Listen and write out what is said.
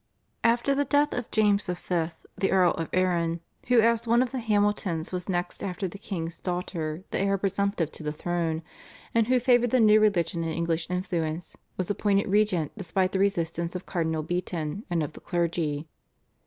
After the death of James V. the Earl of Arran, who as one of the Hamiltons was next after the king's daughter the heir presumptive to the throne, and who favoured the new religion and English influence, was appointed regent despite the resistance of Cardinal Beaton and of the clergy.